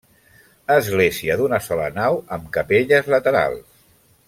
Església d'una sola nau amb capelles laterals.